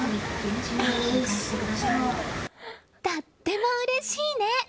とってもうれしいね！